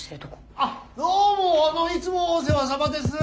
あっどうもあのいつもお世話さまです。